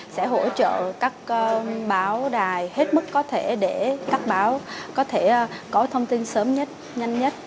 sẽ hỗ trợ các báo đài hết mức có thể để các báo có thể có thông tin sớm nhất nhanh nhất